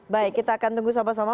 baik kita akan tunggu sama sama